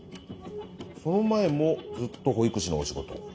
その前もずっと保育士のお仕事を？